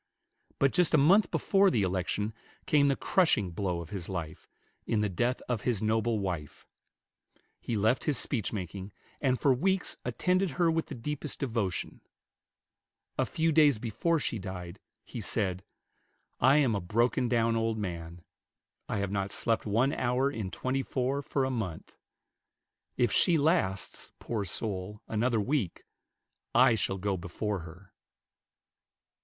But just a month before the election came the crushing blow of his life, in the death of his noble wife. He left his speech making, and for weeks attended her with the deepest devotion. A few days before she died, he said, "I am a broken down old man. I have not slept one hour in twenty four for a month. If she lasts, poor soul, another week, I shall go before her."